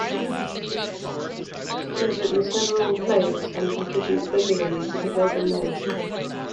She has written several plays, and contributes regularly to "The Globe and Mail".